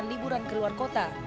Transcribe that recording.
untuk meliburkan ke luar kota